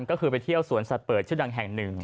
ก็คือไปเที่ยวสวนสัตว์เปิดชื่อดังแห่งหนึ่ง